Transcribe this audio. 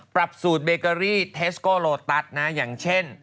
ปรับสูตรเบเกอรี่เทสโกโลตัสนะอย่างเช่น